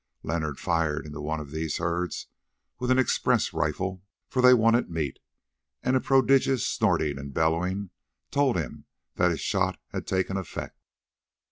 Leonard fired into one of these herds with an express rifle, for they wanted meat, and a prodigious snorting and bellowing told him that his shot had taken effect.